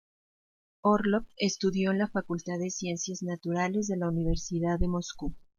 Orlov estudió en la Facultad de Ciencias Naturales de la Universidad de Moscú.